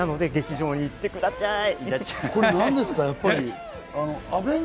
劇場に行ってください。